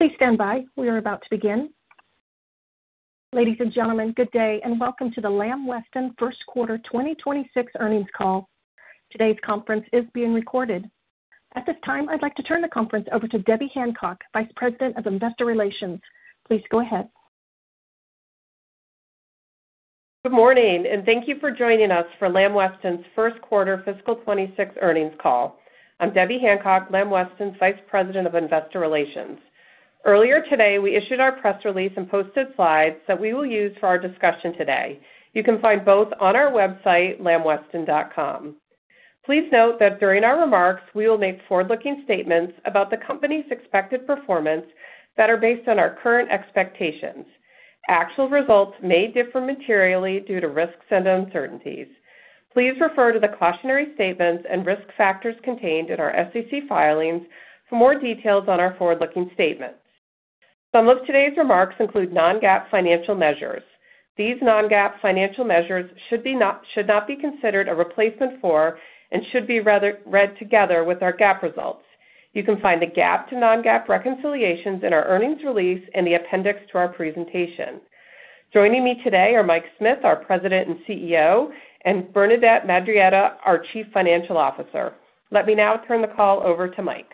Please stand by. We are about to begin. Ladies and gentlemen, good day and welcome to the Lamb Weston first quarter 2026 earnings call. Today's conference is being recorded. At this time, I'd like to turn the conference over to Debbie Hancock, Vice President of Investor Relations. Please go ahead. Good morning and thank you for joining us for Lamb Weston's first quarter fiscal 2026 earnings call. I'm Debbie Hancock, Lamb Weston Vice President of Investor Relations. Earlier today we issued our press release and posted slides that we will use for our discussion today. You can find both on our website, LambWeston.com. Please note that during our remarks we will make forward-looking statements about the company's expected performance that are based on our current expectations. Actual results may differ materially due to risks and uncertainties. Please refer to the cautionary statements and risk factors contained in our SEC filings for more details on our forward-looking statements. Some of today's remarks include non-GAAP financial measures. These non-GAAP financial measures should not be considered a replacement for and should be read together with our GAAP results. You can find the GAAP to non-GAAP reconciliations in our earnings release and the appendix to our presentation. Joining me today are Mike Smith, our President and CEO, and Bernadette Madarieta, our Chief Financial Officer. Let me now turn the call over to Mike.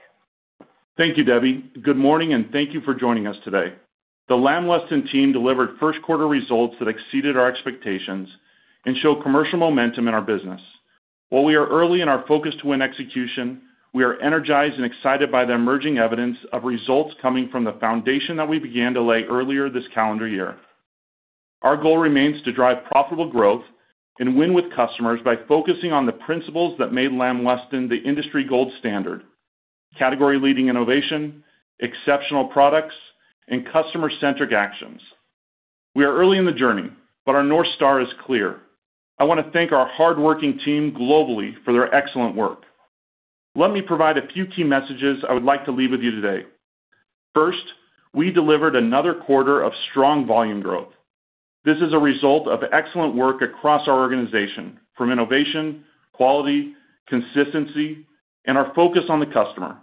Thank you, Debbie. Good morning and thank you for joining us today. The Lamb Weston team delivered first quarter results that exceeded our expectations and show commercial momentum in our business. While we are early in our Focus to Win execution, we are energized and excited by the emerging evidence of results coming from the foundation that we began to lay earlier this calendar year. Our goal remains to drive profitable growth and win with customers by focusing on the principles that made Lamb Weston the industry gold standard: category-leading innovation, exceptional products, and customer-centric actions. We are early in the journey, but our North Star is clear. I want to thank our hardworking team globally for their excellent work. Let me provide a few key messages I would like to leave with you today. First, we delivered another quarter of strong volume growth. This is a result of excellent work across our organization from innovation, quality, consistency, and our focus on the customer.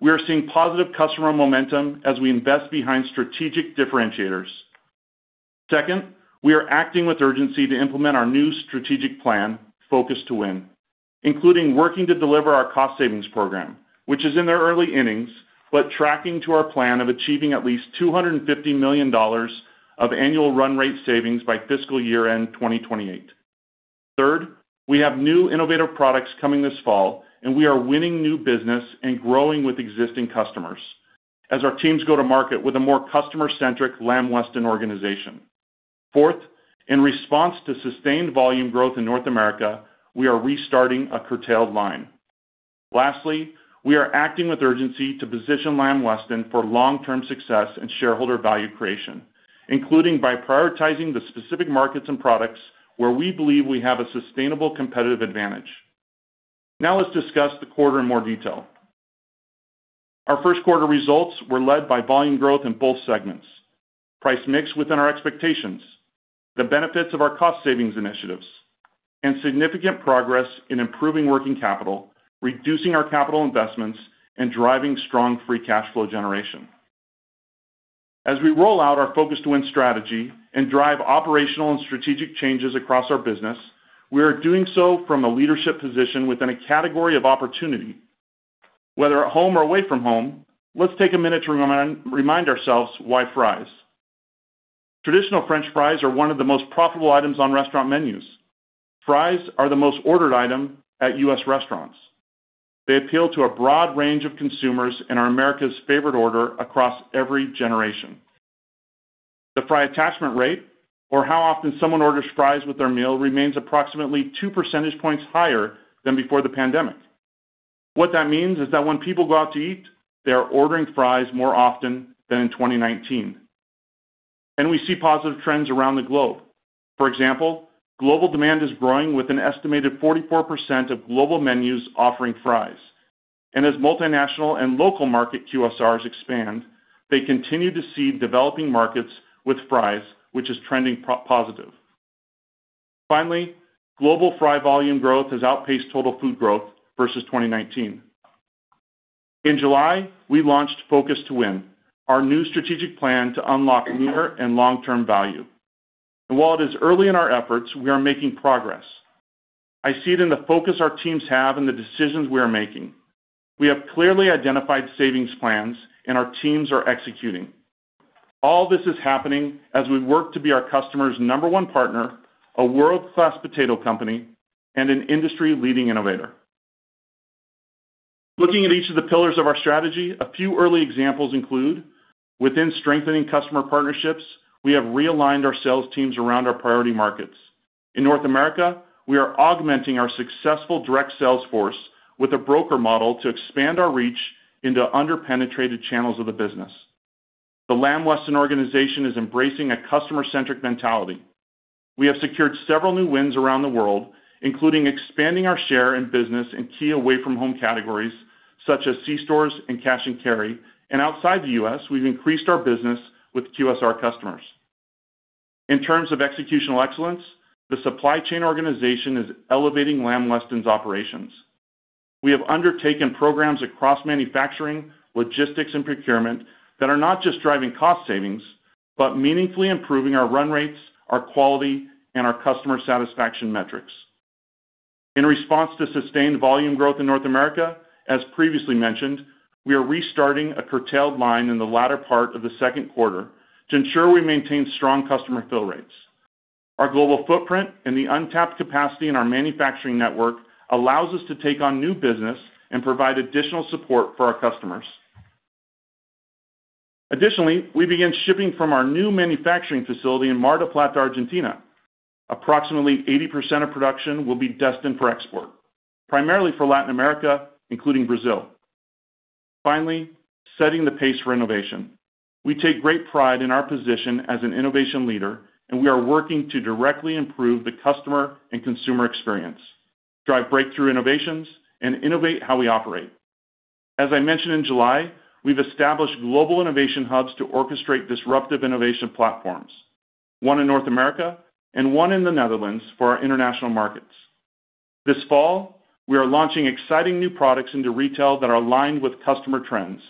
We are seeing positive customer momentum as we invest behind strategic differentiators. Second, we are acting with urgency to implement our new strategic plan, Focus to Win, including working to deliver our cost savings program, which is in the early innings but tracking to our plan of achieving at least $250 million of annual run-rate savings by fiscal year end 2028. Third, we have new innovative products coming this fall, and we are winning new business and growing with existing customers as our teams go to market with a more customer-centric Lamb Weston organization. Fourth, in response to sustained volume growth in North America, we are restarting a curtailed line. Lastly, we are acting with urgency to position Lamb Weston for long-term success and shareholder value creation, including by prioritizing the specific markets and products where we believe we have a sustainable competitive advantage. Now let's discuss the quarter in more detail. Our first quarter results were led by volume growth in both segments, price/mix within our expectations, the benefits of our cost savings initiatives, and significant progress in improving working capital, reducing our capital investments, and driving strong free cash flow generation. As we roll out our Focus to Win strategy and drive operational and strategic changes across our business, we are doing so from a leadership position within a category of opportunity, whether at home or away from home. Let's take a minute to remind ourselves why fries, traditional French fries, are one of the most profitable items on restaurant menus. Fries are the most ordered item at U.S. restaurants. They appeal to a broad range of consumers and are America's favorite order across every generation. The fry attachment rate, or how often someone orders fries with their meal, remains approximately 2 percentage points higher than before the pandemic. What that means is that when people go out to eat, they are ordering fries more often than in 2019. We see positive trends around the globe. For example, global demand is growing with an estimated 44% of global menus offering fries. As multinational and local market QSRs expand, they continue to see developing markets with fries, which is trending positive. Finally, global fry volume growth has outpaced total food growth versus 2019. In July, we launched Focus to Win, our new strategic plan to unlock near and long term value. While it is early in our efforts, we are making progress. I see it in the focus our teams have and the decisions we are making. We have clearly identified savings plans, and our teams are executing. All this is happening as we work to be our customers' number one partner, a world class potato company, and an industry leading innovator. Looking at each of the pillars of our strategy, a few early examples include: within strengthening customer partnerships, we have realigned our sales teams around our priority markets in North America. We are augmenting our successful direct sales force with a broker model to expand our reach into underpenetrated channels of the business. The Lamb Weston organization is embracing a customer-centric mentality. We have secured several new wins around the world, including expanding our share in business in key away from home categories such as C Stores and Cash and carry. Outside the U.S., we've increased our business with QSR customers. In terms of executional excellence, the supply chain organization is elevating Lamb Weston's operations. We have undertaken programs across manufacturing, logistics, and procurement that are not just driving cost savings, but meaningfully improving our run rates, our quality, and our customer satisfaction metrics. In response to sustained volume growth in North America, as previously mentioned, we are restarting a curtailed line in the latter part of the second quarter to ensure we maintain strong customer fill rates. Our global footprint and the untapped capacity in our manufacturing network allows us to take on new business and provide additional support for our customers. Additionally, we begin shipping from our new manufacturing facility in Mar del Plata, Argentina. Approximately 80% of production will be destined for export, primarily for Latin America, including Brazil. Finally, setting the pace for innovation, we take great pride in our position as an innovation leader and we are working to directly improve the customer and consumer experience, drive breakthrough innovations, and innovate how we operate. As I mentioned in July, we've established global innovation hubs to orchestrate disruptive innovation platforms, one in North America and one in the Netherlands for our international markets. This fall, we are launching exciting new products into retail that are aligned with customer trends.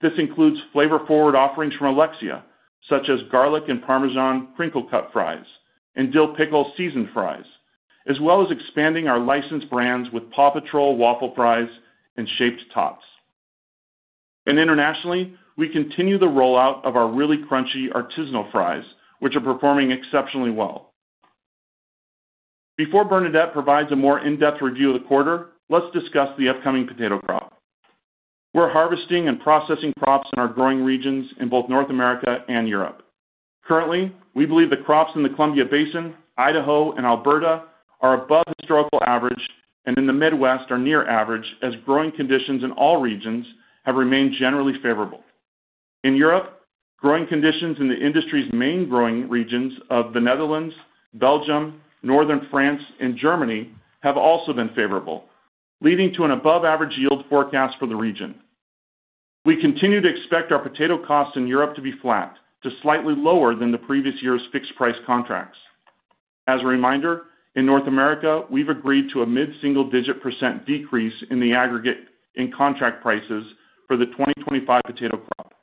This includes flavor-forward offerings from the Alexia brand such as Garlic and Parmesan Crinkle Cut Fries and Dill Pickle Seasoned Fries, as well as expanding our licensed offerings with Paw Patrol Waffle Fries and Shaped Tops. Internationally, we continue the rollout of our really crunchy artisanal fries, which are performing exceptionally well. Before Bernadette provides a more in-depth review of the quarter, let's discuss the upcoming potato crop. We're harvesting and processing crops in our growing regions in both North America and Europe. Currently, we believe the crops in the Columbia Basin, Idaho, and Alberta are above historical average, and in the Midwest are near average, as growing conditions in all regions have remained generally favorable. In Europe, growing conditions in the industry's main growing regions of the Netherlands, Belgium, Northern France, and Germany have also been favorable, leading to an above average yield forecast for the region. We continue to expect our potato costs in Europe to be flat to slightly lower than the previous year's fixed price contracts. As a reminder, in North America, we've agreed to a mid-single-digit % decrease in the aggregate in contract prices for the 2025 potato crop.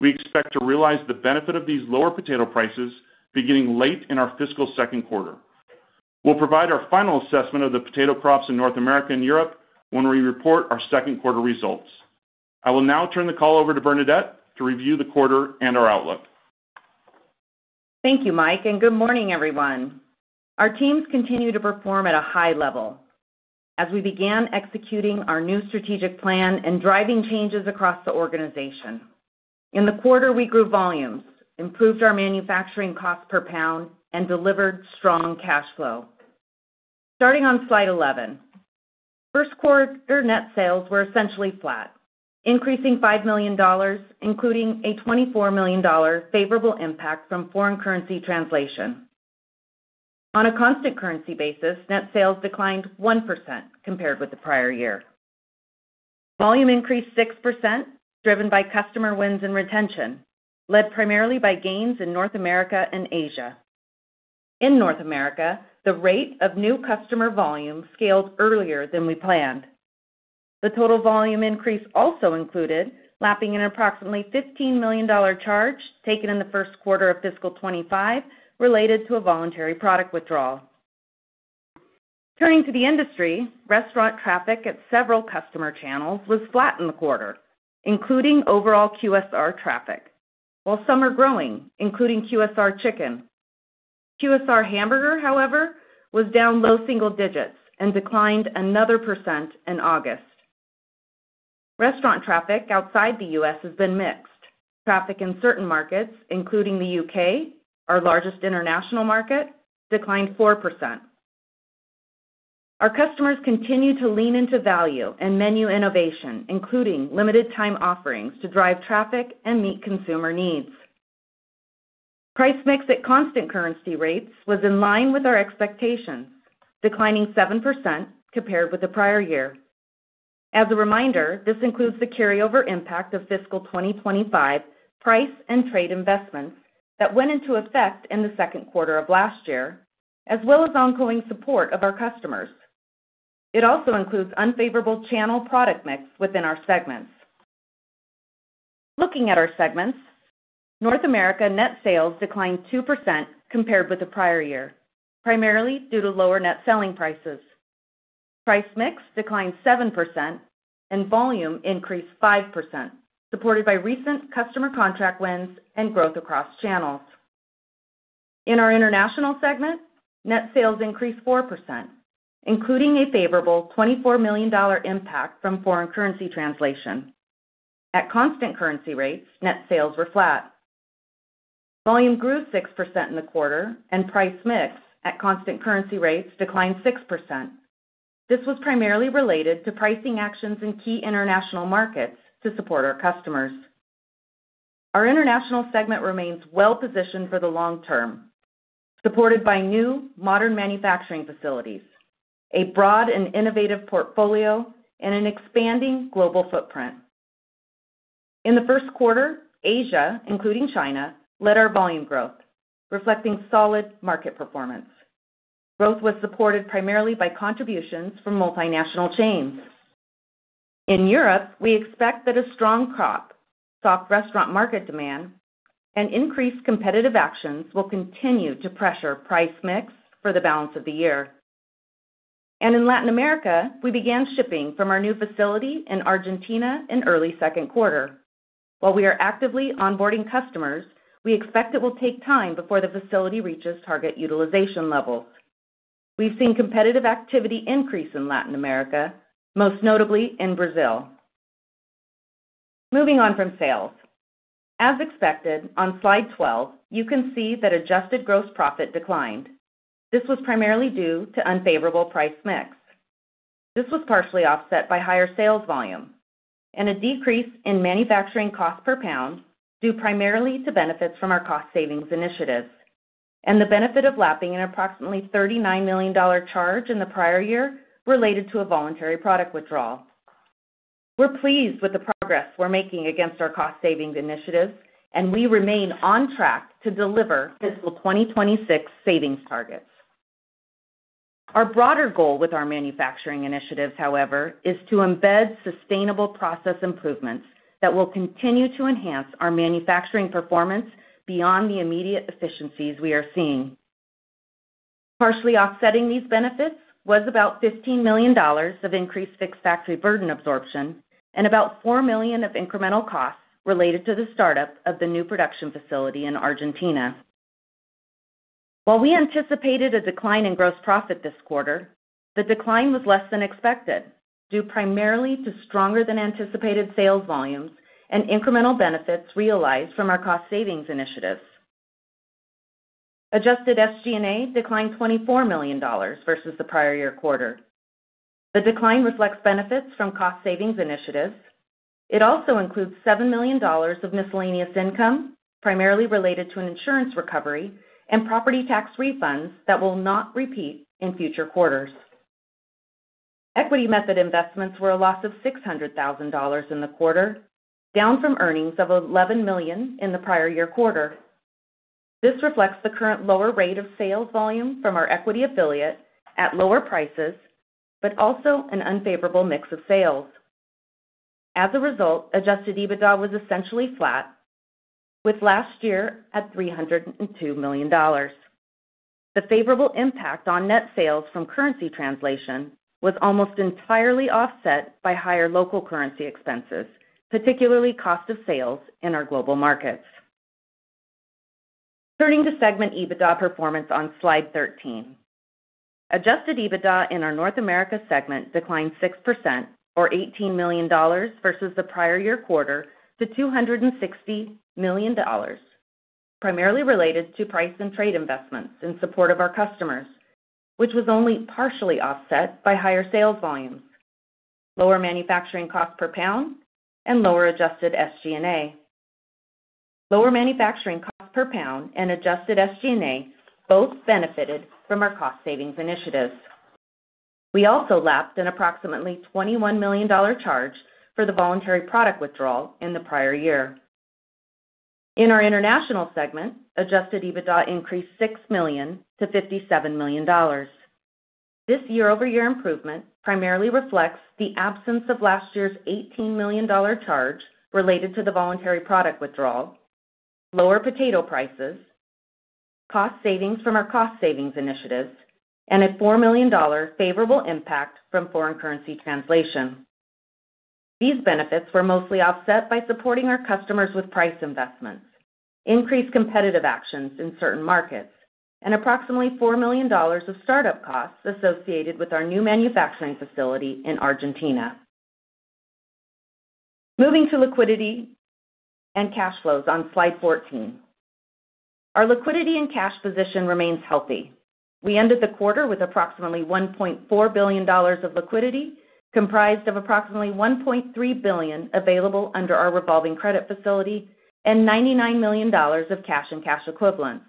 We expect to realize the benefit of these lower potato prices. Beginning late in our fiscal second quarter, we'll provide our final assessment of the potato crops in North America and Europe when we report our second quarter results. I will now turn the call over to Bernadette to review the quarter and our outlook. Thank you, Mike, and good morning, everyone. Our teams continue to perform at a high level as we began executing our new strategic plan and driving changes across the organization. In the quarter, we grew volumes, improved our manufacturing cost per pound, and delivered strong cash flow. Starting on slide 11, first quarter net sales were essentially flat, increasing $5 million, including a $24 million favorable impact from foreign currency translation. On a constant currency basis, net sales declined 1% compared with the prior year. Volume increased 6%, driven by customer wins and retention, led primarily by gains in North America and Asia. In North America, the rate of new customer volume scaled earlier than we planned. The total volume increase also included lapping an approximately $15 million charge taken in the first quarter of fiscal 2025 related to a voluntary product withdrawal. Turning to the industry, restaurant traffic at several customer channels was flat in the quarter, including overall QSR traffic, while some are growing, including QSR chicken. QSR hamburger, however, was down low single digits and declined another 1% in August. Restaurant traffic outside the U.S. has been mixed. Traffic in certain markets, including the U.K., our largest international market, declined 4%. Our customers continue to lean into value and menu innovation, including limited time offerings to drive traffic and meet consumer needs. Price/mix at constant currency rates was in line with our expectations, declining 7% compared with the prior year. As a reminder, this includes the carryover impact of fiscal 2025 price and trade investments that went into effect in the second quarter of last year, as well as ongoing support of our customers. It also includes unfavorable channel product mix within our segments. Looking at our segments, North America net sales declined 2% compared with the prior year, primarily due to lower net selling prices. Price/mix declined 7% and volume increased 5%, supported by recent customer contract wins and growth across channels. In our international segment, net sales increased 4%, including a favorable $24 million impact from foreign currency translation. At constant currency rates, net sales were flat, volume grew 6% in the quarter, and price/mix at constant currency rates declined 6%. This was primarily related to pricing actions in key international markets to support our customers. Our international segment remains well positioned for the long term, supported by new modern manufacturing facilities, a broad and innovative portfolio, and an expanding global footprint. In the first quarter, Asia, including China, led our volume growth, reflecting solid market performance. Growth was supported primarily by contributions from multinational chains in Europe. We expect that a strong crop, soft restaurant market demand, and increased competitive action will continue to pressure price/mix for the balance of the year and in Latin America. We began shipping from our new facility in Argentina in early second quarter. While we are actively onboarding customers, we expect it will take time before the facility reaches target utilization levels. We've seen competitive activity increase in Latin America, most notably in Brazil. Moving on from sales, as expected on slide 12, you can see that adjusted gross profit declined. This was primarily due to unfavorable price/mix. This was partially offset by higher sales volume and a decrease in manufacturing cost per pound due primarily to benefits from our cost savings initiatives and the benefit of lapping an approximately $39 million charge in the prior year related to a voluntary product withdrawal. We're pleased with the progress we're making against our cost savings initiative, and we remain on track to deliver fiscal 2026 savings targets. Our broader goal with our manufacturing initiatives, however, is to embed sustainable process improvements that will continue to enhance our manufacturing performance beyond the immediate efficiencies we are seeing. Partially offsetting these benefits was about $15 million of increased fixed factory burden absorption and about $4 million of incremental costs related to the startup of the new production facility in Argentina. While we anticipated a decline in gross profit this quarter, the decline was less than expected due primarily to stronger than anticipated sales volumes and incremental benefits realized from our cost savings initiatives. Adjusted SGA declined $24 million versus the prior year quarter. The decline reflects benefits from cost savings initiatives. It also includes $7 million of miscellaneous income, primarily related to an insurance recovery and property tax refunds that will not repeat in future quarters. Equity method investments were a loss of $0.6 million in the quarter, down from earnings of $11 million in the prior year quarter. This reflects the current lower rate of sales volume from our equity affiliate at lower prices, but also an unfavorable mix of sales. As a result, adjusted EBITDA was essentially flat with last year at $302 million. The favorable impact on net sales from currency translation was almost entirely offset by higher local currency expenses, particularly cost of sales in our global markets. Turning to segment EBITDA performance on Slide 13, adjusted EBITDA in our North America segment declined 6% or $18 million versus the prior year quarter to $260 million, primarily related to price and trade investments in support of our customers, which was only partially offset by higher sales volumes, lower manufacturing cost per pound, and lower adjusted SG&A. Lower manufacturing cost per pound and adjusted SG&A both benefited from our cost savings initiatives. We also lapped an approximately $21 million charge for the voluntary product withdrawal in the prior year. In our International segment, adjusted EBITDA increased $6 million-$57 million. This year-over-year improvement primarily reflects the absence of last year's $18 million charge related to the voluntary product withdrawal, lower potato prices, cost savings from our cost savings initiatives, and a $4 million favorable impact from foreign currency translation. These benefits were mostly offset by supporting our customers with price investments, increased competitive actions in certain markets, and approximately $4 million of startup costs associated with our new manufacturing facility in Argentina. Moving to liquidity and cash flows on Slide 14, our liquidity and cash position remains healthy. We ended the quarter with approximately $1.4 billion of liquidity, comprised of approximately $1.3 billion available under our revolving credit facility and $99 million of cash and cash equivalents.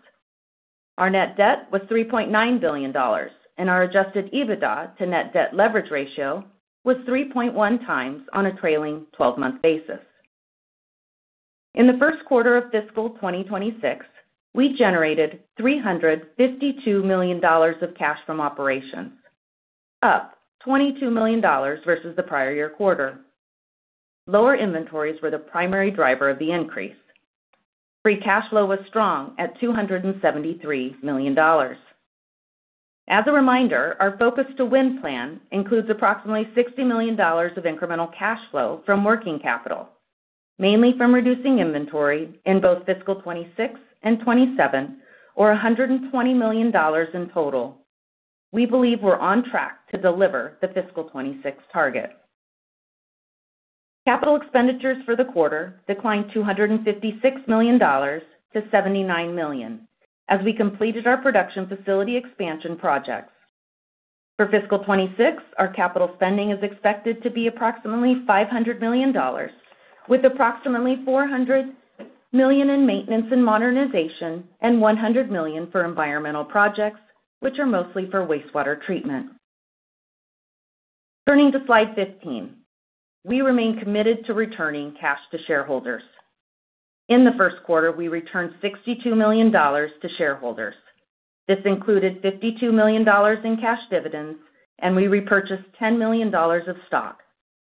Our net debt was $3.9 billion, and our adjusted EBITDA to net debt leverage ratio was 3.1 times on a trailing 12-month basis. In the first quarter of fiscal 2026, we generated $352 million of cash from operations, up $22 million versus the prior year quarter. Lower inventories were the primary driver of the increase. Free cash flow was strong at $273 million. As a reminder, our Focus to Win plan includes approximately $60 million of incremental cash flow from working capital, mainly from reducing inventory. In both fiscal 2026 and 2027, or $120 million in total, we believe we're on track to deliver the fiscal 2026 target. Capital expenditures for the quarter declined $256 million to $79 million as we completed our production facility expansion projects. For fiscal 2026, our capital spending is expected to be approximately $500 million with approximately $400 million in maintenance and modernization and $100 million for environmental projects, which are mostly for wastewater treatment. Turning to Slide 15, we remain committed to returning cash to shareholders. In the first quarter, we returned $62 million to shareholders. This included $52 million in cash dividends and we repurchased $10 million of stock,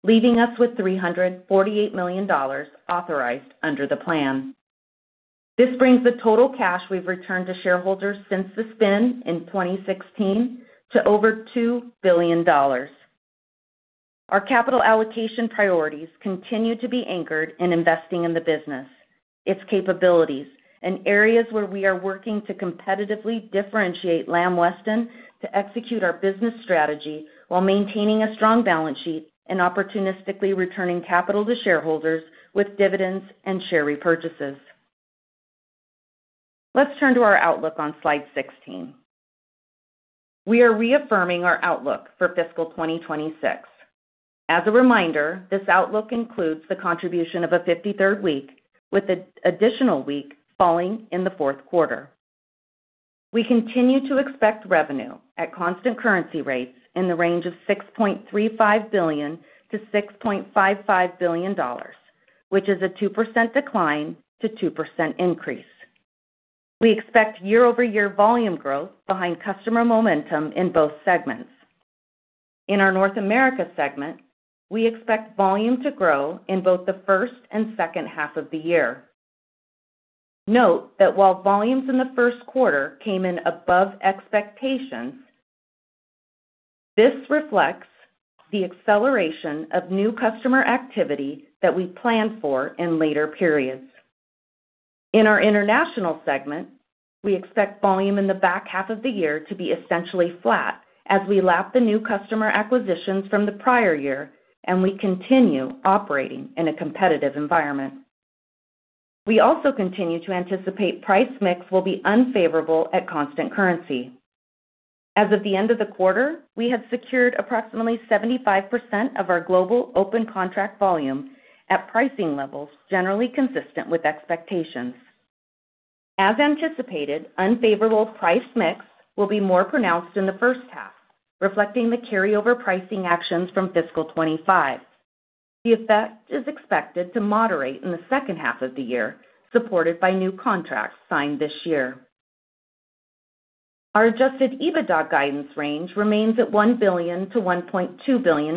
leaving us with $348 million authorized under the plan. This brings the total cash we've returned to shareholders since the spin in 2016 to over $2 billion. Our capital allocation priorities continue to be anchored in investing in the business, its capabilities, and areas where we are working to competitively differentiate Lamb Weston to execute our business strategy while maintaining a strong balance sheet and opportunistically returning capital to shareholders with dividends and share repurchases. Let's turn to our outlook on Slide 16. We are reaffirming our outlook for fiscal 2026. As a reminder, this outlook includes the contribution of a 53rd week, with an additional week falling in the fourth quarter. We continue to expect revenue at constant currency rates in the range of $6.35 billion-$6.55 billion, which is a 2% decline to 2% increase. We expect year-over-year volume growth behind customer momentum in both segments. In our North America segment, we expect volume to grow in both the first and second half of the year. Note that while volumes in the first quarter came in above expectations, this reflects the acceleration of new customer activity that we planned for in later periods. In our international segment, we expect volume in the back half of the year to be essentially flat as we lap the new customer acquisitions from the prior year and we continue operating in a competitive environment. We also continue to anticipate price/mix will be unfavorable at constant currency. As of the end of the quarter, we had secured approximately 75% of our global open contract volume and at pricing levels generally consistent with expectations. As anticipated, unfavorable price/mix will be more pronounced in the first half reflecting the carryover pricing actions from fiscal 2025. The effect is expected to moderate in the second half of the year, supported by new contracts signed this year. Our adjusted EBITDA guidance range remains at $1 billion-$1.2 billion.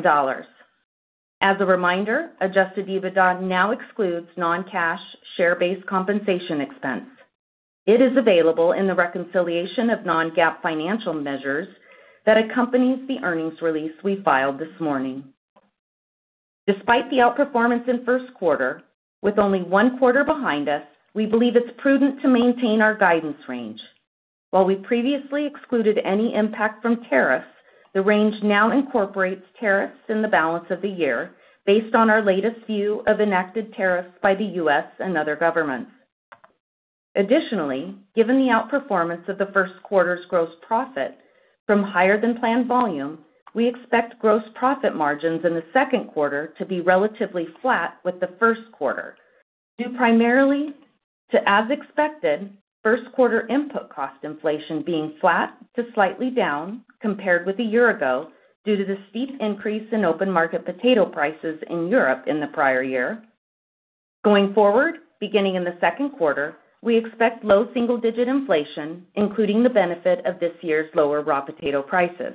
As a reminder, adjusted EBITDA now excludes non-cash share-based compensation expense. It is available in the reconciliation of non-GAAP financial measures that accompanies the earnings release we filed this morning. Despite the outperformance in the first quarter, with only one quarter behind us, we believe it's prudent to maintain our guidance range. While we previously excluded any impact from tariffs, the range now incorporates tariffs in the balance of the year based on our latest view of enacted tariffs by the U.S. and other governments. Additionally, given the outperformance of the first quarter's gross profit from higher than planned volume, we expect gross profit margins in the second quarter to be relatively flat with the first quarter, due primarily to, as expected, first quarter input cost inflation being flat to slightly down compared with a year ago due to the steep increase in open market potato prices in Europe in the prior year. Going forward, beginning in the second quarter, we expect low single-digit inflation, including the benefit of this year's lower raw potato prices.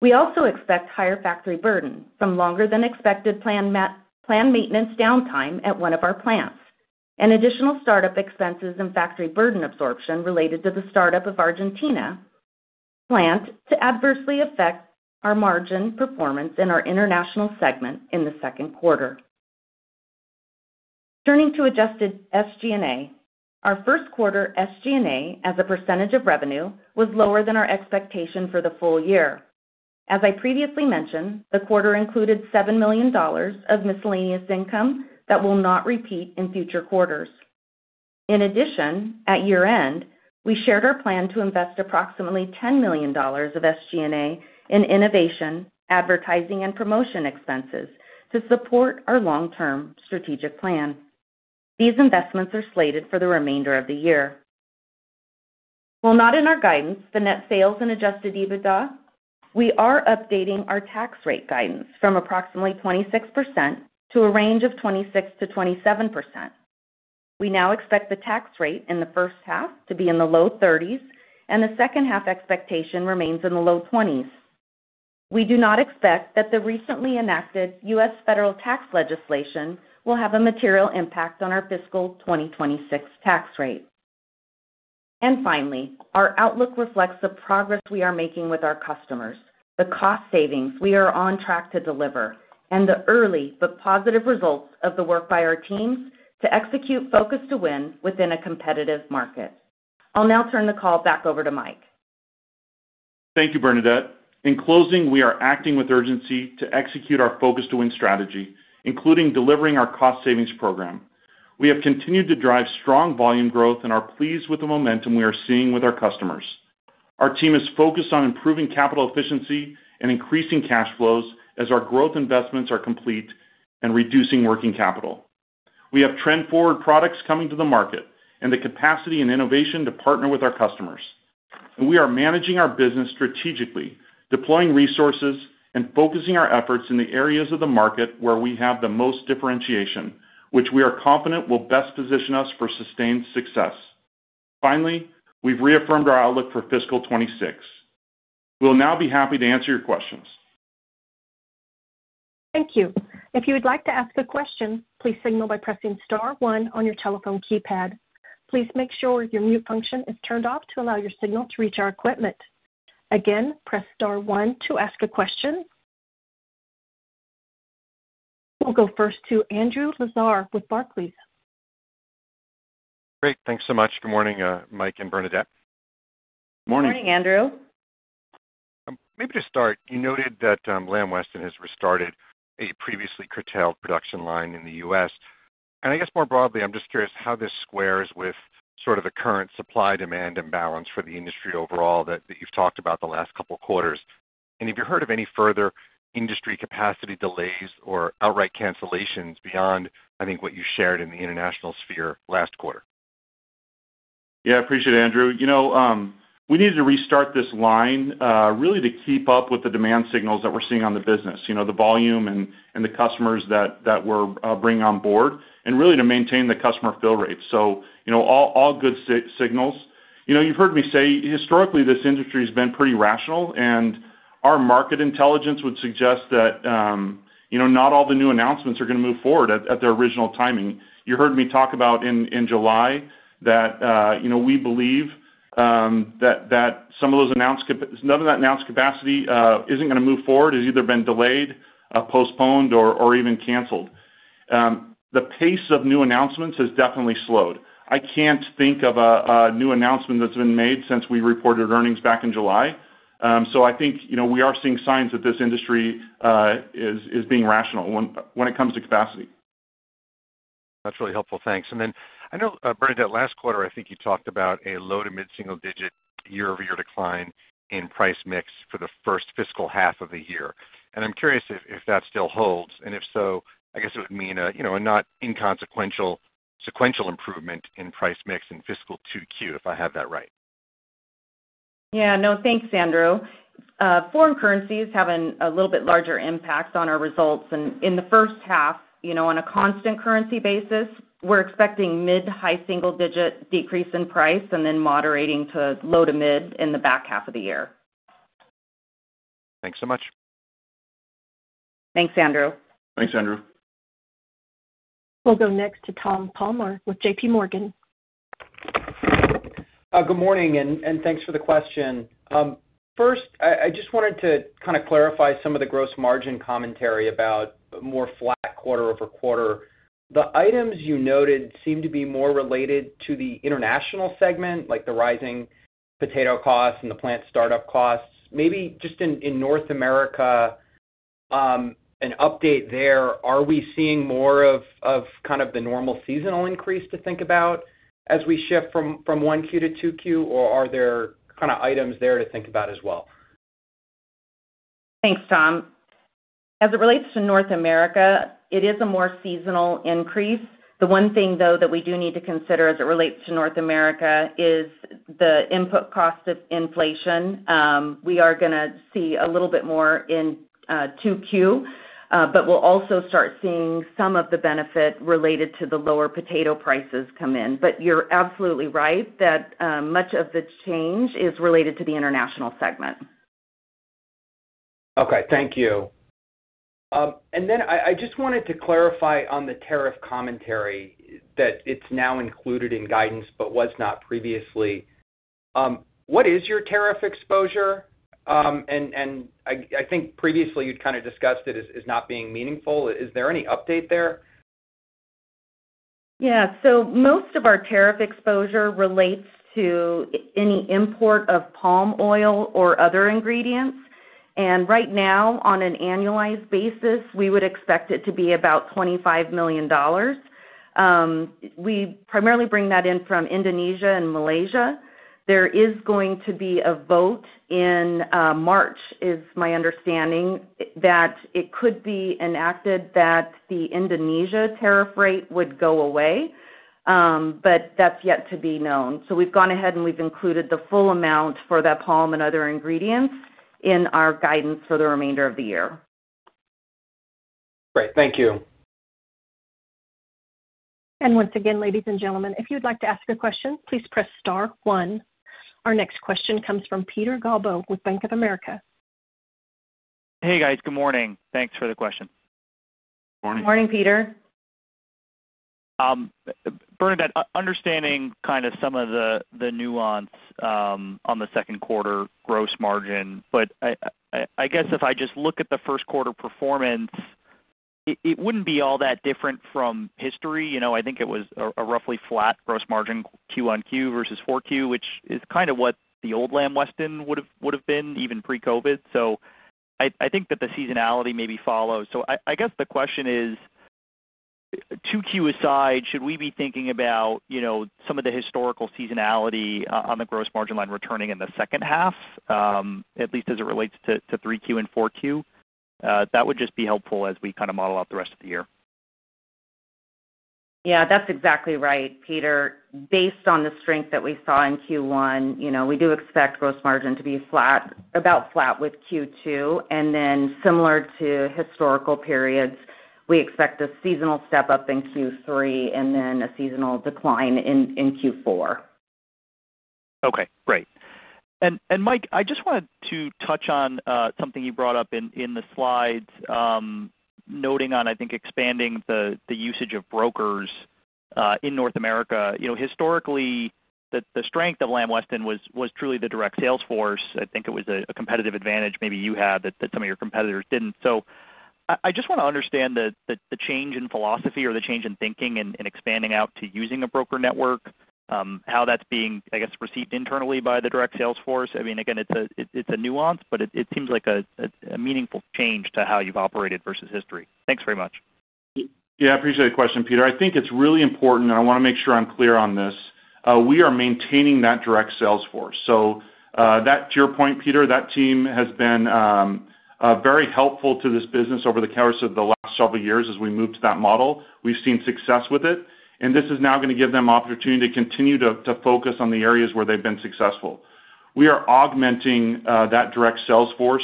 We also expect higher factory burden from longer than expected planned maintenance downtime at one of our plants and additional startup expenses and factory burden absorption related to the startup of the Argentina plant to adversely affect our margin performance in our international segment in the second quarter. Turning to adjusted SGA, our first quarter SGA as a percentage of revenue was lower than our expectation for the full year. As I previously mentioned, the quarter included $7 million of miscellaneous income that will not repeat in future quarters. In addition, at year-end, we shared our plan to invest approximately $10 million of SGA in innovation, advertising, and promotion expenses to support our long-term strategic plan. These investments are slated for the remainder of the year. While not in our guidance, the net sales and adjusted EBITDA, we are updating our tax rate guidance from approximately 26% to a range of 26%-27%. We now expect the tax rate in the first half to be in the low 30% and the second half expectation remains in the low 20%. We do not expect that the recently enacted U.S. federal tax legislation will have a material impact on our fiscal 2026 tax rate. Our outlook reflects the progress we are making with our customers, the cost savings we are on track to deliver, and the early but positive results of the work by our teams to execute Focus to Win within a competitive market. I'll now turn the call back over to Mike. Thank you, Bernadette. In closing, we are acting with urgency to execute our Focus to Win strategy, including delivering our cost savings program. We have continued to drive strong volume growth and are pleased with the momentum we are seeing with our customers. Our team is focused on improving capital efficiency and increasing cash flows as our growth investments are complete and reducing working capital. We have trend forward products coming to the market and the capacity and innovation to partner with our customers. We are managing our business strategically, deploying resources and focusing our efforts in the areas of the market where we have the most differentiation, which we are confident will best position us for sustained success. Finally, we've reaffirmed our outlook for fiscal 2026. We'll now be happy to answer your questions. Thank you. If you would like to ask a question, please signal by pressing STAR 1 on your telephone keypad. Please make sure your mute function is turned off to allow your signal to reach our equipment. Again, press STAR 1 to ask a question. I'll go first to Andrew Lazar with Barclays. Great. Thanks so much. Good morning, Mike and Bernadette. Morning. Morning Andrew. Maybe to start, you noted that Lamb Weston has restarted a previously curtailed production line in the U.S., and I guess more broadly, I'm just curious how this squares with the current supply-demand imbalance for the industry overall that you've talked about the last couple quarters. Have you heard of any further industry capacity delays or outright cancellations beyond, I think, what you shared in the international sphere last quarter? Yeah, appreciate it, Andrew. We needed to restart this line to keep up with the demand signals that we're seeing on the business, the volume, and the customers that we're bringing on board, and really to maintain the customer fill rates. All good signals. You've heard me say historically this industry has been pretty rational, and our market intelligence would suggest that not all the new announcements are going to move forward at their original timing. You heard me talk about in July that we believe that some of those announced, none of that announced capacity isn't going to move forward, has either been delayed, postponed, or even canceled. The pace of new announcements has definitely slowed. I can't think of a new announcement that's been made since we reported earnings back in July. I think we are seeing signs that this industry is being rational when it comes to capacity. That's really helpful, thanks. I know, Bernadette, last quarter I think you talked about a low to mid single-digit year-over-year decline in price/mix for the first fiscal half of the year, and I'm curious if that still holds. If so, I guess it would mean a not inconsequential sequential improvement in price/mix in fiscal 2Q if I have that right. Yeah, no thanks Andrew. Foreign currencies have a little bit larger impact on our results, and in the first half, you know, on a constant currency basis we're expecting mid to high single digit decrease in price, and then moderating to low to mid in the back half of the year. Thanks so much. Thanks Andrew. Thanks Andrew. We'll go next to Tom Palmer with JPMorgan. Good morning and thanks for the question. First, I just wanted to clarify some of the gross margin commentary about more flat quarter over quarter. The items you noted seem to be more related to the international segment, like the rising potato costs and the plant startup costs. Maybe just in North America, an update there. Are we seeing more of the normal seasonal increase to think about as we shift from Q1-Q2 or are there items there to think about as well? Thanks, Tom. As it relates to North America, it is a more seasonal increase. The one thing, though, that we do need to consider as it relates to North America is the input cost of inflation. We are going to see a little bit more in 2Q, but we'll also start seeing some of the benefit related to the lower potato prices come in. You're absolutely right that much of the change is related to the international segment. Thank you. I just wanted to clarify on the tariff commentary that it's now included in guidance but was not previously. What is your tariff exposure? I think previously you'd kind of discussed it as not being meaningful. Is there any update there? Most of our tariff exposure relates to any import of palm oil or other ingredients. Right now, on an annualized basis, we would expect it to be about $25 million. We primarily bring that in from Indonesia and Malaysia. There is going to be a vote in March. It is my understanding that it could be enacted that the Indonesia tariff rate would go away, but that's yet to be known. We've gone ahead and we've included the full amount for that palm and other ingredients in our guidance for the remainder of the year. Great, thank you. Once again, ladies and gentlemen, if you'd like to ask a question, please press Star one. Our next question comes from Peter Galbo with Bank of America. Hey guys, good morning. Thanks for the question. Morning, Peter. Bernadette, understanding some of the nuance on the second quarter gross margin, but I guess if I just look at the first quarter performance, it wouldn't be all that different from history. I think it was a roughly flat gross margin, Q1 versus 4Q, which is kind of what the old Lamb Weston would have been even pre-COVID. I think that the seasonality maybe follows. I guess the question is, 2Q aside, should we be thinking about some of the historical seasonality on the gross margin line returning in the second half, at least as it relates to 3Q and 4Q? That would just be helpful as we kind of model out the rest of the year. Yeah, that's exactly right, Peter. Based on the strength that we saw in Q1, we do expect gross margin to be about flat with Q2. Similar to historical periods, we expect a seasonal step up in Q3 and then a seasonal decline in Q4. Okay, great. Mike, I just wanted to touch on something you brought up in the slides, noting on, I think, expanding the usage of brokers in North America. Historically, the strength of Lamb Weston was truly the direct sales force. I think it was a competitive advantage maybe you had that some of your competitors didn't. I just want to understand the change in philosophy or the change in thinking and expanding out to using a broker network, how that's being, I guess, received internally by the direct sales force. I mean, again, it's a nuance, but it seems like a meaningful change to how you've operated versus history. Thanks very much. Yeah, I appreciate the question, Peter. I think it's really important, and I want to make sure I'm clear on this. We are maintaining that direct sales force. To your point, Peter, that team has been very helpful to this business over the course of the last several years. As we move to that model, we've seen success with it, and this is now going to give them opportunity to continue to focus on the areas where they've been successful. We are augmenting that direct sales force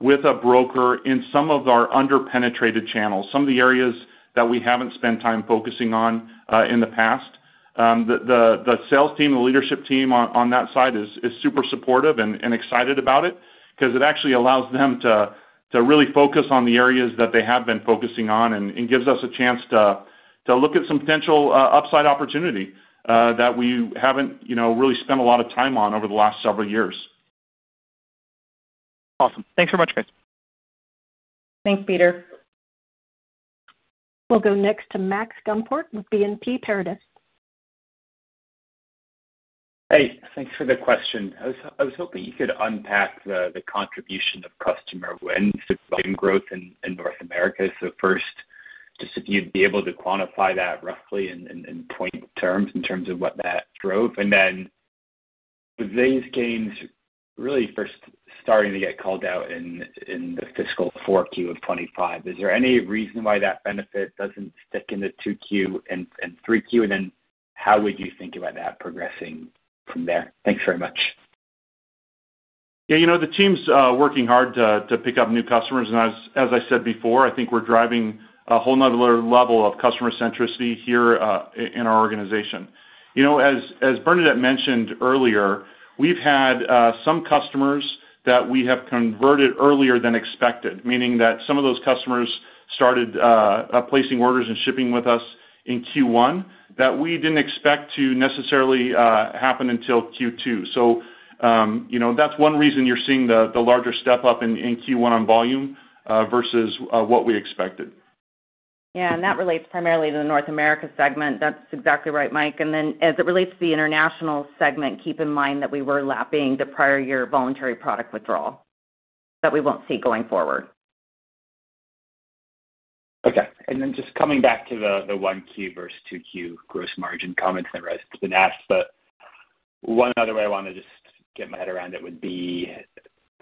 with a broker in some of our underpenetrated channels. Some of the areas that we haven't spent time focusing on in the past, the sales team, the leadership team on that side, is super supportive and excited about it because it actually allows them to really focus on the areas that they have been focusing on and gives us a chance to look at some potential upside opportunity that we haven't really spent a lot of time on over the last several years. Awesome. Thanks very much, guys. Thanks, Peter. We'll go next to Max Gumport, BNP Paribas. Hey, thanks for the question. I was hoping you could unpack the contribution of customer win growth in North America. First, just if you'd be able to quantify that roughly in point terms in terms of what that drove. With these gains really first starting to get called out in the fiscal 4Q of 2025, is there any reason why that benefit doesn't stick in the 2Q and 3Q? How would you think about that progressing from there? Thanks very much. Yeah. The team's working hard to pick up new customers. As I said before, I think we're driving a whole nother level of customer centricity here in our organization. As Bernadette mentioned earlier, we've had some customers that we have converted earlier than expected, meaning that some of those customers started placing orders and shipping with us in Q1 that we didn't expect to necessarily happen until Q2. That's one reason you're seeing the larger step up in Q1 on volume versus what we expected. Yes, that relates primarily to the North America segment. That's exactly right, Mike. As it relates to the international segment, keep in mind that we were lapping the prior year voluntary product withdrawal that we won't see going forward. Okay. Just coming back to the 1Q vs. 2Q gross margin comments that's been asked, one other way I want to just get my head around it.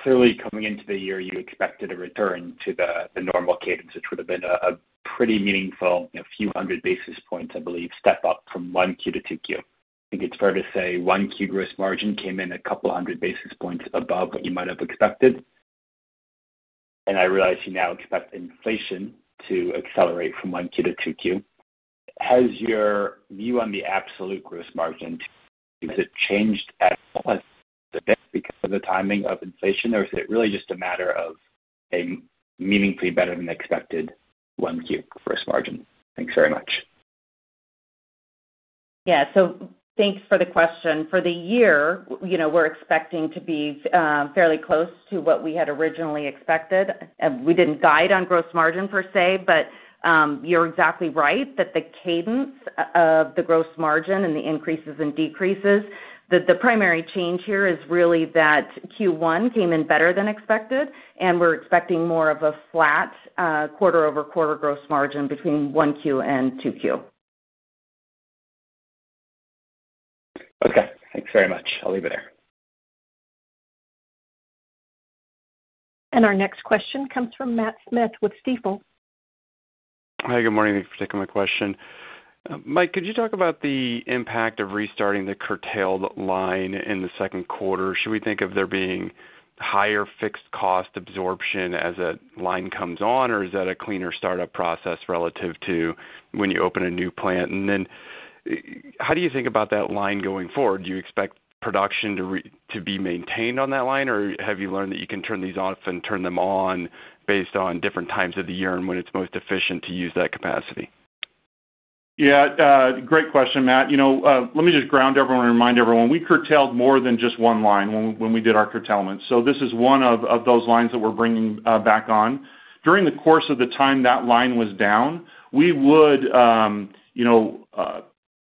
Clearly, coming into the year you expected a return to the normal cadence, which would have been a pretty meaningful, a few hundred basis points, I believe, step up from 1Q-2Q. I think it's fair to say 1Q gross margin came in a couple hundred basis points above what you might have expected. I realize you now expect inflation to accelerate from 1Q-2Q. Has your view on the absolute gross margin changed at the timing of inflation, or is it really just a matter of a meaningfully better than expected 1Q gross margin? Thanks very much. Yeah, thanks for the question. For the year, you know, we're expecting to be fairly close to what we had originally expected. We didn't guide on gross margin per se, but you're exactly right that the cadence of the gross margin and the increases and decreases, the primary change here is really that Q1 came in better than expected and we're expecting more of a flat, flat quarter over quarter gross margin between Q1 and Q2. Okay, thanks very much. I'll leave it there. Our next question comes from Matt Smith with Stifel. Hi, good morning. Thanks for taking my question. Mike, could you talk about the impact of restarting the curtailed line in the second quarter? Should we think of there being higher fixed cost absorption as a line comes on, or is that a cleaner startup process relative to when you open a new plant, and then how do you think about that line going forward? Do you expect production to be maintained on that line, or have you learned that you can turn these off and turn them on based on different times of the year and when it's most efficient to use that capacity? Yeah, great question, Matt. Let me just ground everyone and remind everyone we curtailed more than just one line when we did our curtailment. This is one of those lines that we're bringing back on. During the course of the time that line was down, we would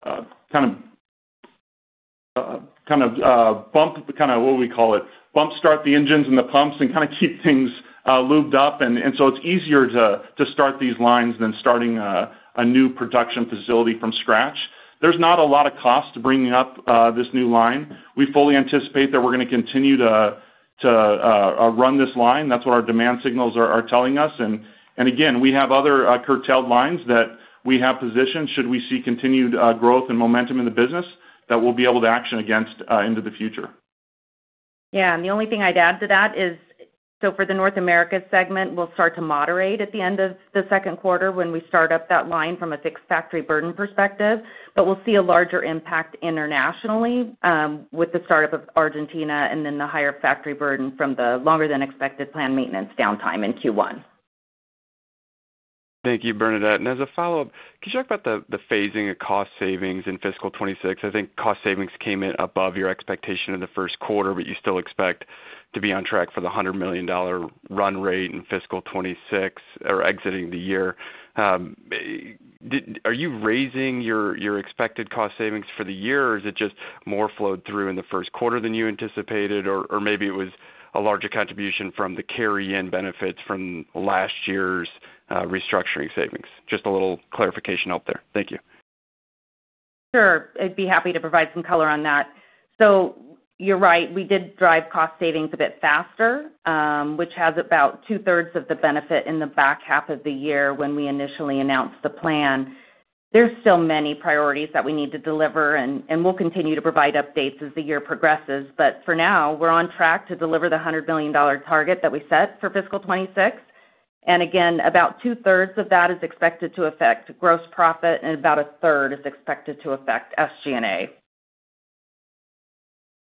kind of bump, what we call it, bump, start the engines and the pumps and keep things lubed up. It's easier to start these lines than starting a new production facility from scratch. There's not a lot of cost to bringing up this new line. We fully anticipate that we're going to continue to run this line. That's what our demand signals are telling us. We have other curtailed lines that we have positioned should we see continued growth and momentum in the business that we'll be able to action against into the future. The only thing I'd add to that is for the North America segment, we'll start to moderate at the end of the second quarter when we start up that line from a fixed factory burden perspective. We'll see a larger impact internationally with the startup of Argentina and then the higher factory burden from the longer than expected planned maintenance downtime in Q1. Thank you, Bernadette. As a follow up, can you talk about the phasing of cost savings in fiscal 2026? I think cost savings came in above your expectation in the first quarter, but you still expect to be on track for the $100 million run rate in fiscal 2026 or exiting the year. Are you raising your expected cost savings for the year, or is it just more flowed through in the first quarter than you anticipated? Maybe it is a larger contribution from the carry-in benefits from last year's restructuring savings. Just a little clarification out there. Thank you. Sure. I'd be happy to provide some color on that. You're right, we did drive cost savings a bit faster, which has about two thirds of the benefit in the back half of the year when we initially announced the plan. There are still many priorities that we need to deliver, and we'll continue to provide updates as the year progresses. For now, we're on track to deliver the $100 million target for fiscal 2026. Again, about two thirds of that is expected to affect gross profit, and about a third is expected to affect SG&A.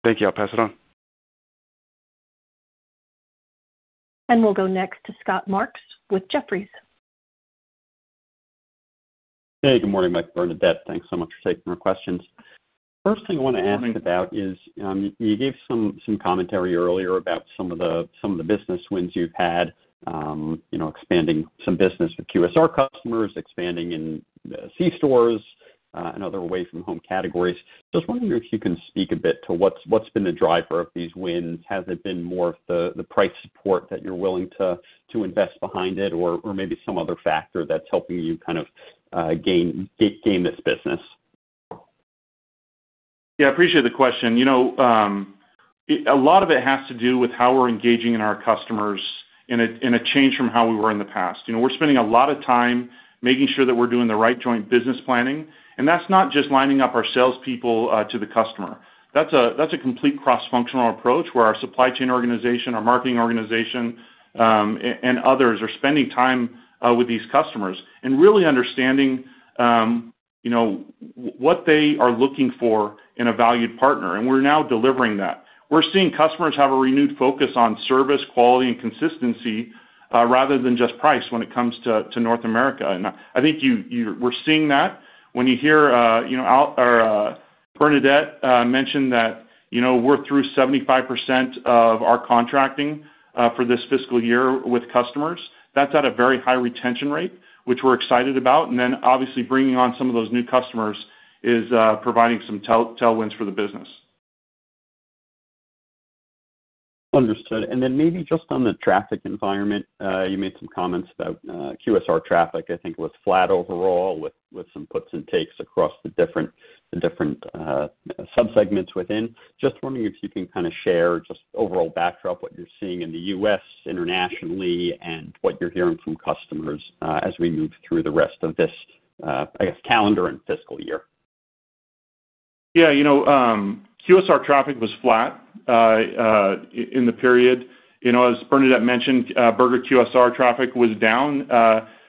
Thank you. I'll pass it on. We will go next to Scott Marks with Jefferies. Hey, good morning, Mike. Bernadette, thanks so much for taking our questions. First thing I want to ask about is you gave some commentary earlier about some of the business wins you've had. Expanding some business with QSR customers, expanding in C stores and other away from home categories. Just wonder if you can speak a bit to what's been the driver of these wins? Has it been more of the price support that you're willing to invest behind it or maybe some other factor that's helping you kind of gain this business. Yeah, I appreciate the question. A lot of it has to do with how we're engaging in our customers in a change from how we were in the past. We're spending a lot of time making sure that we're doing the right joint business planning. That's not just lining up our salespeople to the customer. That's a complete cross functional approach where our supply chain organization, our marketing organization and others are spending time with these customers and really understanding what they are looking for in a valued partner. We're now delivering that. We're seeing customers have a renewed focus on service quality and consistency rather than just price when it comes to North America. I think you were seeing that when you hear Bernadette mention that we're through 75% of our contracting for this fiscal year with customers. That's at a very high retention rate which we're excited about. Obviously bringing on some of those new customers is providing some tailwinds for the business. Understood. Maybe just on the traffic environment you made some comments about. QSR traffic I think was flat overall with some puts and takes across the different sub segments within. Just wondering if you can kind of share just overall backdrop what you're seeing in the U.S. internationally and what you're hearing from customers as we move through the rest of this, I guess calendar and fiscal year. Yeah, QSR traffic was flat in the period, as Bernadette mentioned, Burger QSR traffic was down.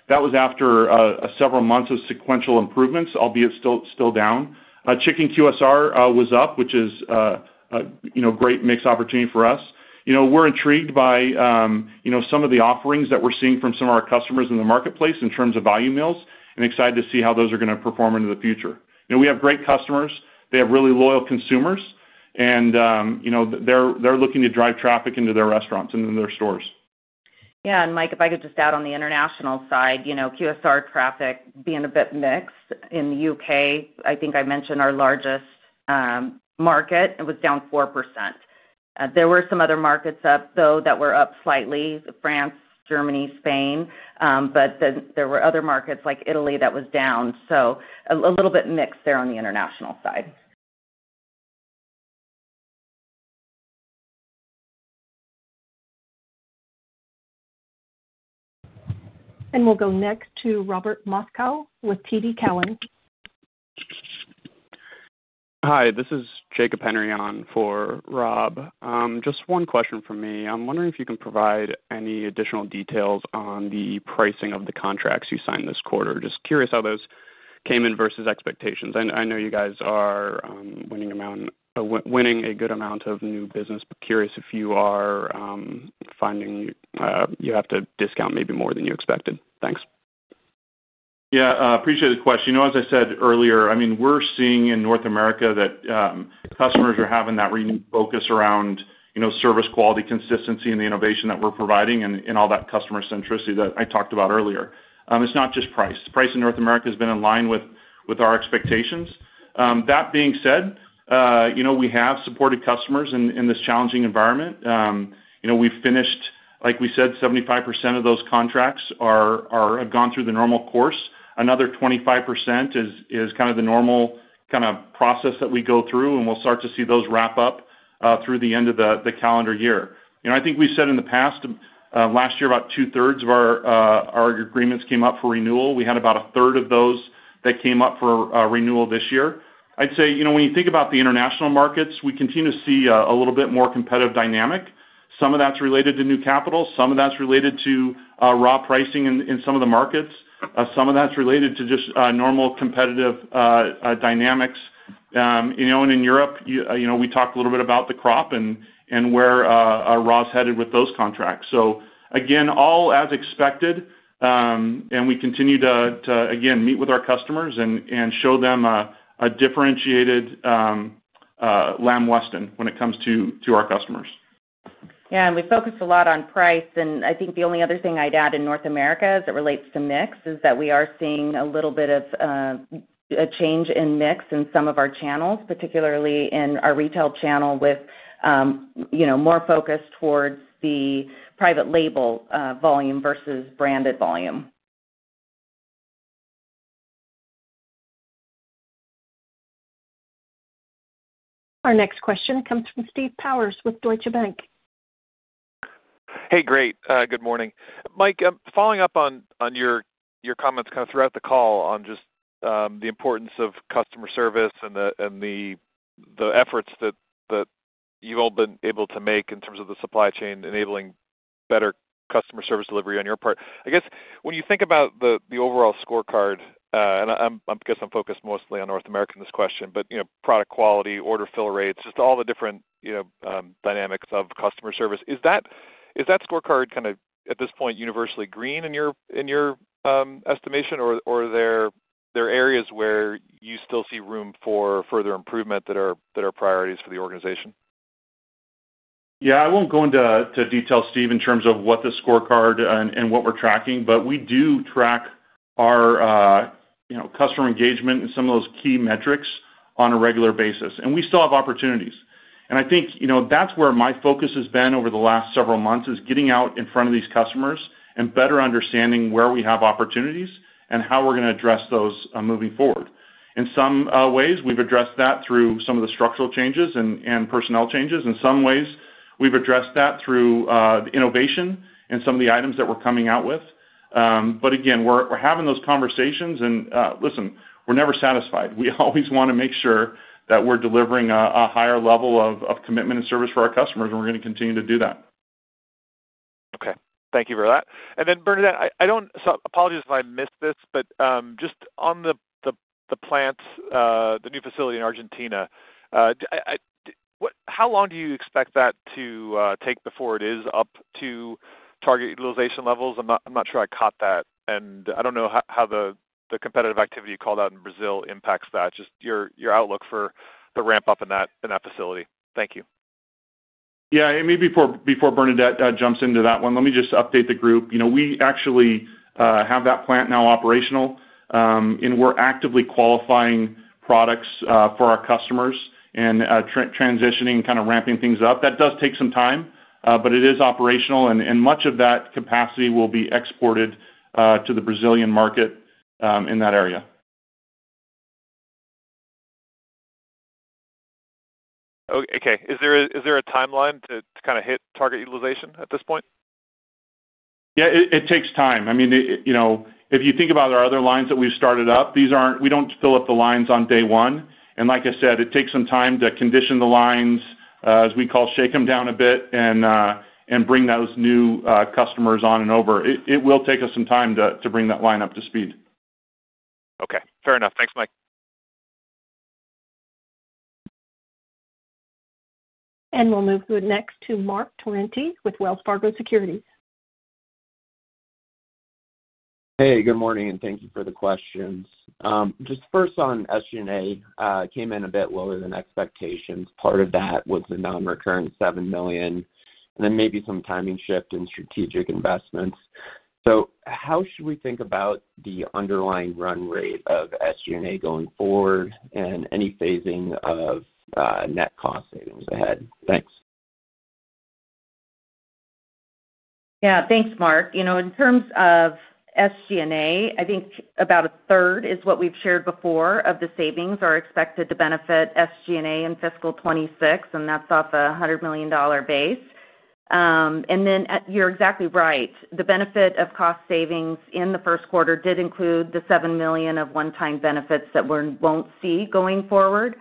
That was after several months of sequential improvements, albeit still down. Chicken QSR was up, which is a great mix opportunity for us. We're intrigued by some of the offerings that we're seeing from some of our customers in the marketplace in terms of value meals and excited to see how those are going to perform into the future. We have great customers, they have really loyal consumers and they're looking to drive traffic into their restaurants and in their stores. Yeah, and Mike, if I could just add on the international side, you know, QSR traffic being a bit mixed in the UK. I think I mentioned our largest market, it was down 4%. There were some other markets that were up slightly: France, Germany, Spain. There were other markets like Italy that was down. A little bit mixed there on the international side. We'll go next to Robert Moskow with TD Cowen. Hi, this is Jacob Henry on for Rob. Just one question for me. I'm wondering if you can provide any additional details on the pricing of the contracts you signed this quarter. Just curious how those came in versus expectations. I know you guys are winning a good amount of new business but curious if you are finding you have to discount maybe more than you expected. Thanks. Yeah, appreciate the question. As I said earlier, we're seeing in North America that customers are having that focus around service quality, consistency, and the innovation that we're providing and all that customer centricity that I talked about earlier. It's not just price. Price in North America has been in line with our expectations. That being said, we have supported customers in this challenging environment. We've finished, like we said, 75% of those contracts have gone through the normal course. Another 25% is kind of the normal process that we go through and we'll start to see those wrap up through the end of the calendar year. I think we said in the past last year about two thirds of our agreements came up for renewal. We had about a third of those that came up for renewal this year. I'd say when you think about the international markets, we continue to see a little bit more competitive dynamic. Some of that's related to new capital, some of that's related to raw pricing in some of the markets. Some of that's related to just normal competitive dynamics. In Europe we talked a little bit about the crop and where raw's headed with those contracts. Again, all as expected. We continue to meet with our customers and show them a differentiated Lamb Weston when it comes to our customers. Yeah, we focus a lot on price. I think the only other thing I'd add in North America as it relates to mix is that we are seeing a little bit of a change in mix in some of our channels, particularly in our retail channel with more focus towards the private label volume versus branded volume. Our next question comes from Steve Powers with Deutsche Bank. Hey, great. Good morning, Mike. Following up on your comments throughout the call on the importance of customer service and the efforts that you've all been able to make in terms of the supply chain enabling better customer service delivery on your part. I guess when you think about the overall scorecard, and I guess I'm focused mostly on North America in this question, but product quality, order fill rates, just all the different dynamics of customer service. Is that scorecard at this point universally green in your estimation or are there areas where you still see room for further improvement that are priorities for the organization? Yeah, I won't go into detail, Steve, in terms of what the scorecard is and what we're tracking, but we do track our customer engagement and some of those key metrics on a regular basis and we still have opportunities. I think that's where my focus has been over the last several months, getting out in front of these customers and better understanding where we have opportunities and how we're going to address those moving forward. In some ways, we've addressed that through some of the structural changes and personnel changes. In some ways, we've addressed that through the innovation and some of the items that we're coming out with. Again, we're having those conversations and listen, we're never satisfied. We always want to make sure that we're delivering a higher level of commitment and service for our customers and we're going to continue to do that. Okay, thank you for that. And then Bernadette, apologies if I missed this, but just on the plants, the new facility in Argentina, how long do you expect that to take before it is up to target utilization levels? I'm not sure I caught that. I don't know how the competitive activity called out in Brazil impacts that. Just your outlook for the ramp up in that facility. Thank you. Yeah, maybe before Bernadette jumps into that one, let me just update the group. We actually have that plant now operational and we're actively qualifying products for our customers and transitioning, kind of ramping things up. That does take some time, but it is operational and much of that capacity will be exported to the Brazilian market in that area. Okay, is there a timeline to hit target utilization at this point? Yeah, it takes time. If you think about our other lines that we've started up, we don't fill up the lines on day one. Like I said, it takes some time to condition the lines as we call it, shake them down a bit, and bring those new customers on and over. It will take us some time to bring that line up to speed. Okay, fair enough. Thanks, Mike. We'll move next to Marc Torrente with Wells Fargo Securities. Hey, good morning and thank you for the questions. Just first on SG&A came in a bit lower than expectations. Part of that was the non-recurring $7 million, then maybe some timing shift in strategic investments. How should we think about the underlying run rate of SG&A going forward and any phasing of net cost savings ahead? Thanks. Yeah, thanks, Marc. You know, in terms of SG&A, I think about a third is what we've shared before of the savings are expected to benefit SG&A in fiscal 2026, and that's off a $100 million base. You're exactly right. The benefit of cost savings in the first quarter did include the $7 million of one-time benefits that we won't see going forward.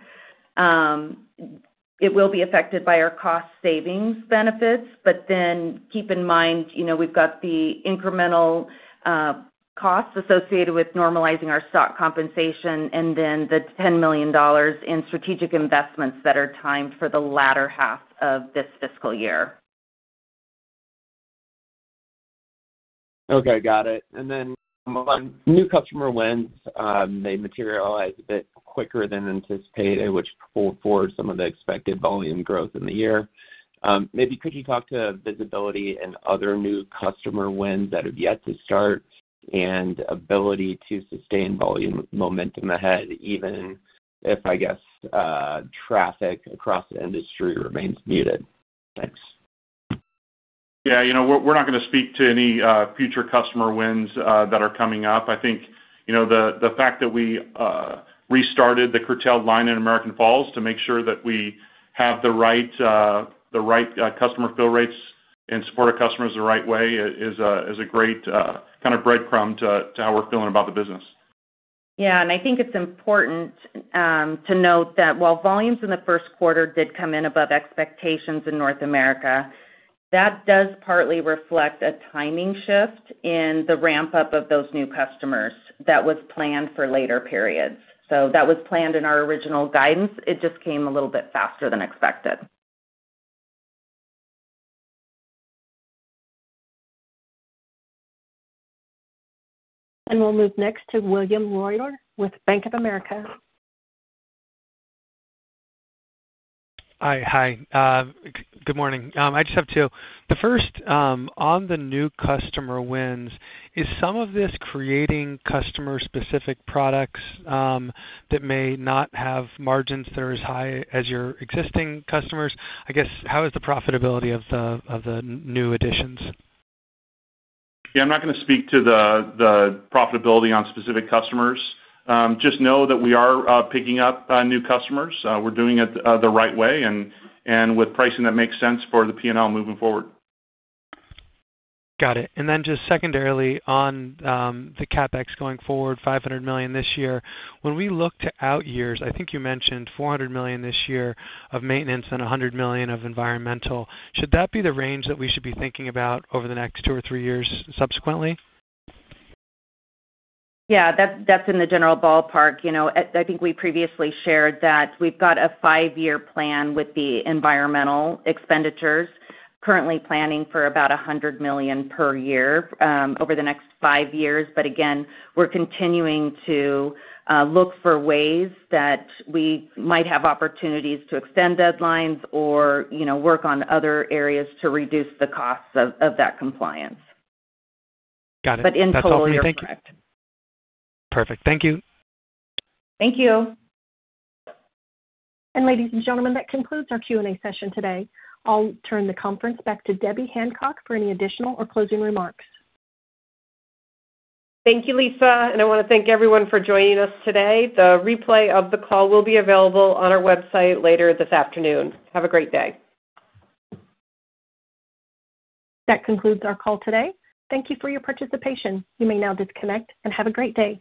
It will be affected by our cost savings benefits, but then keep in mind, you know, we've got the incremental costs associated with normalizing our stock compensation and then the $10 million in strategic investments that are timed for the latter half of this fiscal year. Okay, got it. New customer wins materialized a bit quicker than anticipated, which pulled forward some of the expected volume growth in the year. Maybe could you talk to visibility and other new customer wins that have yet to start and ability to sustain volume momentum ahead, even if I guess traffic across the industry remains muted. Thanks. Yeah, we're not going to speak to any future customer wins that are coming up. I think the fact that we restarted the curtailed line in American Falls to make sure that we have the right customer fill rates and support our customers the right way is a great kind of breadcrumb to how we're feeling about the business. I think it's important to note that while volumes in the first quarter did come in above expectations in North America, that does partly reflect a timing shift in the ramp up of those new customers that was planned for later periods. That was planned in our original guidance. It just came a little bit faster than expected. We'll move next to William Reuter with Bank of America. Hi. Hi, good morning. I just have two. The first on the new customer wins, is some of this creating customer specific products that may not have margins that are as high as your existing customers? I guess, how is the profitability of the new additions? Yeah, I'm not going to speak to the profitability on specific customers. Just know that we are picking up new customers, we're doing it the right way and with pricing that makes sense for the P&L moving forward. Got it. Just secondarily, on the CapEx going forward, $500 million this year. When we look to out years, I think you mentioned $400 million this year of maintenance and $100 million of environmental. Should that be the range that we should be thinking about over the next two or three years subsequently? Yeah, that's in the general ballpark. I think we previously shared that we've got a five-year plan with the environmental expenditures currently planning for about $100 million per year over the next five years. Again, we're continuing to look for ways that we might have opportunities to extend deadlines or work on other areas to reduce the costs of that compliance. Got it. In full year. Perfect. Thank you. Thank you. Ladies and gentlemen, that concludes our Q and A session today. I'll turn the conference back to Debbie Hancock for any additional or closing remarks. Thank you, Lisa. I want to thank everyone for joining us today. The replay of the call will be available on our website later this afternoon. Have a great day. That concludes our call today. Thank you for your participation. You may now disconnect and have a great day.